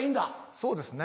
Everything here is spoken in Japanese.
そうですね。